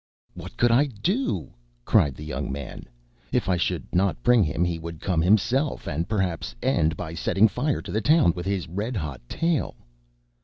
"What could I do?" cried the young man, "If I should not bring him he would come himself and, perhaps, end by setting fire to the town with his red hot tail."